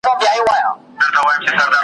خدای مي دي ملګرو په دې لویه ګناه نه نیسي .